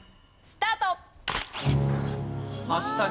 スタート！